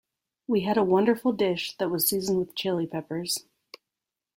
We had a wonderful dish that was seasoned with Chili Peppers.